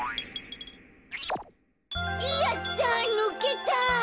やったぬけた！